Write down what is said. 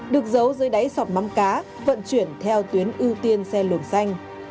được giấu dưới đáy sọt mắm cá vận chuyển theo tuyến ưu tiên xe luồng xanh